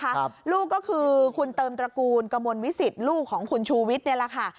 ครับลูกก็คือคุณเติมตระกูลกระมวลวิสิตลูกของคุณชูวิทย์เนี่ยแหละค่ะ